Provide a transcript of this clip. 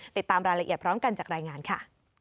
ติดตามรายละเอียดพร้อมกันจากรายงานค่ะ